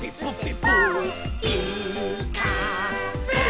「ピーカーブ！」